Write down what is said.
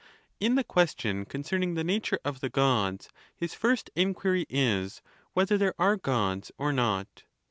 In the question concerning the nature of the Gods, his first inquiry is, whether there are Gods or not.